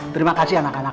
terima kasih anak anak